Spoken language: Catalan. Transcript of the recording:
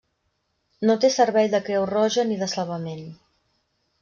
No té servei de creu roja ni de salvament.